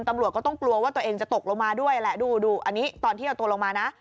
ตำรวจก็ต้องกลัวว่าตัวเองจะตกลงมาด้วยแหละดูอันนี้ตอนที่เอาตัวลงมานะ